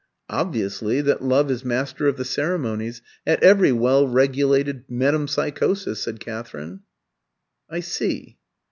"Obviously, that Love is Master of the Ceremonies at every well regulated metempsychosis," said Katherine. "I see."